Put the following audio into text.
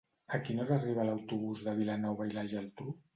A quina hora arriba l'autobús de Vilanova i la Geltrú?